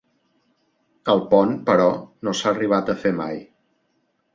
El pont, però, no s'ha arribat a fer mai.